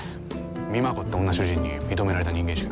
美摩子って女主人に認められた人間しか。